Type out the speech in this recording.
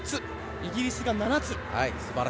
イギリスが７つ。